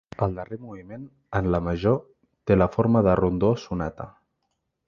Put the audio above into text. El darrer moviment, en la major, té la forma de rondó-sonata.